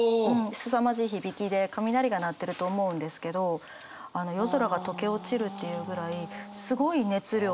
すさまじい響きで雷が鳴ってると思うんですけど夜空が溶け落ちるっていうぐらいすごい熱量の。